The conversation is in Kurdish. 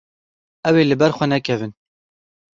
Ew ê li ber xwe nekevin.